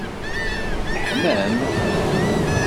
Teḥmam?